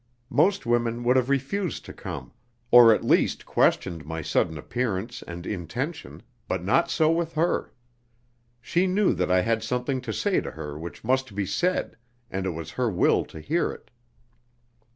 Most women would have refused to come, or at least questioned my sudden appearance and intention, but not so with her. She knew that I had something to say to her which must be said, and it was her will to hear it.